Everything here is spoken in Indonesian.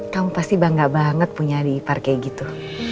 kamu pasti bangga banget punya adik ivar kayak gitu